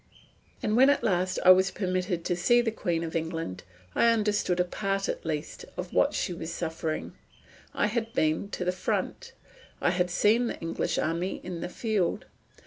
And when at last I was permitted to see the Queen of England, I understood a part at least of what she was suffering. I had been to the front. I had seen the English army in the field.